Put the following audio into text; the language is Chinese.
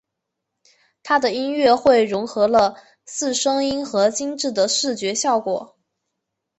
他的音乐会融合了四声音和精致的视觉效果。